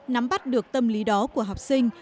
nắm bắt được tâm lý đó của học sinh